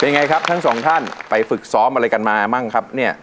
ยังไงครับทั้งสองท่านไปฝึกซ้อมอะไรกันมาบ้างครับเนี่ย